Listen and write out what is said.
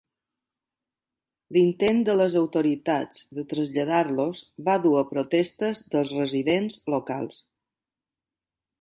L'intent de les autoritats de traslladar-los va duu a protestes dels residents locals.